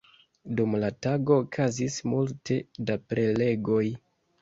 Dum la tago okazis multe da prelegoj.